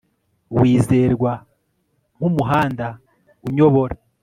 Wizerwa nkumuhanda unyobora